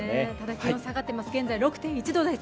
気温下がってます、現在６．１度です。